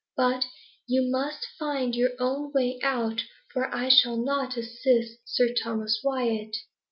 But you must find your own way out, for I shall not assist Sir Thomas Wyat."